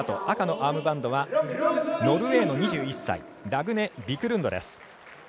赤のアームバンドはノルウェーの２１歳ラグネ・ビクルンドです。